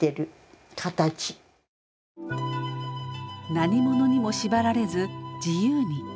何者にも縛られず自由に。